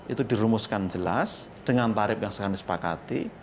itu dirumuskan jelas dengan tarif yang sekarang disepakati